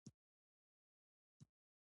هم توپان په ادب اړوي تر مخه